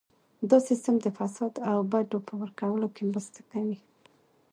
دا سیستم د فساد او بډو په ورکولو کې مرسته کوي.